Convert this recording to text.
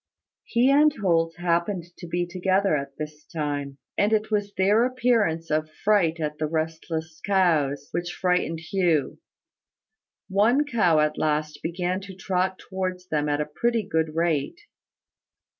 He and Holt happened to be together at this time; and it was their appearance of fright at the restless cows which frightened Hugh. One cow at last began to trot towards them at a pretty good rate.